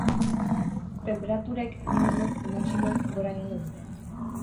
Tenperaturek, minimoek zein maximoek, gora egingo dute.